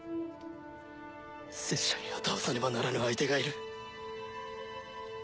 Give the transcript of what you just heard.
拙者には倒さねばならぬ相手がいる。